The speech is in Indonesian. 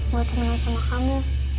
mau temenin sama kamu